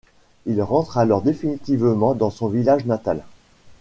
Il rentre alors définitivement dans son village natal.